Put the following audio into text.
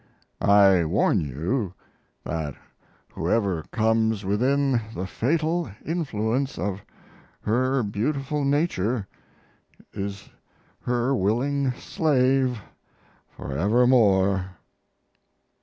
I warn you that whoever comes within the fatal influence of her beautiful nature is her willing slave forevermore.